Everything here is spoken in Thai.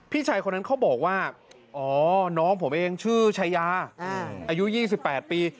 พี่ชายคนนั้นเขาบอกว่าอ๋อน้องผมเองชื่อชายาอายุ๒๘ปี